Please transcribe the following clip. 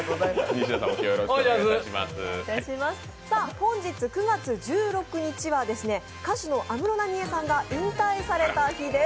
本日９月１６日は歌手の安室奈美恵さんが引退された日です。